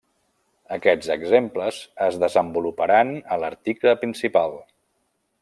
Aquests exemples es desenvoluparan a l'article principal.